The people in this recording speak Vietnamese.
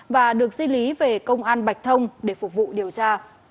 và được di lý về công an bạch thông để phục vụ điều tra